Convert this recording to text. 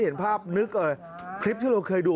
เหมือนภาพนึกคลิปที่เราเคยดู